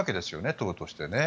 党としてね。